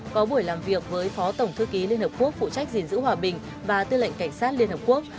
có buổi làm việc với phó tổng thư ký liên hợp quốc phụ trách gìn giữ hòa bình và tư lệnh cảnh sát liên hợp quốc